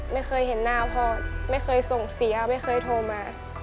ไม่เคยเห็นหน้าพ่อไม่เคยส่งเสียไม่เคยโทรมา